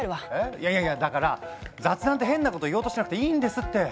いやいやいやだから雑談って変なこと言おうとしなくていいんですって。